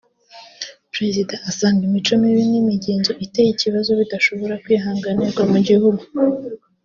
Perezida asanga imico mibi n’imigenzo iteye ikibazo bidashobora kwihanganirwa mu gihugu